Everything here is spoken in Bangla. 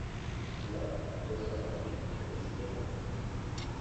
না, কোথাও হয়নি, কোন যুগে হয়নি।